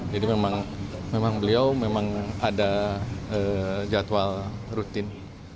jadi memang beliau memang ada jadwal rutin